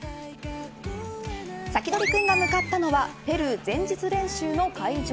サキドリくんが向かったのはペルー前日練習の会場。